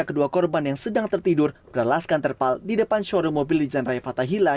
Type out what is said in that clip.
kedua korban yang sedang tertidur berlaskan terpal di depan showroom mobil di zanraifatahila